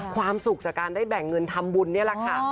ความสุขจากการได้แบ่งเงินทำบุญนี่แหละค่ะ